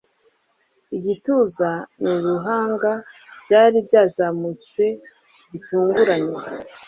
igituza n'uruhanga byari byazamutse gitunguranye